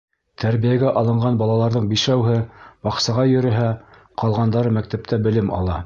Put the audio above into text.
Тәрбиәгә алынған балаларҙың бишәүһе баҡсаға йөрөһә, ҡалғандары мәктәптә белем ала.